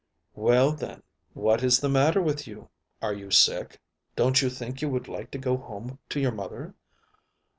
"Well, then what is the matter with you? Are you sick? Don't you think you would like to go home to your mother?"